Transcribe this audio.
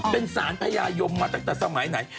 เป็นสารพญายมมาตั้งแต่สมัยไหน